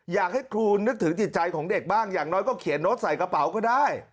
อยากให้ครูนึกถึงจิตใจของเด็กบ้างอย่างน้อยก็เขียนโน้ตใส่กระเป๋าก็ได้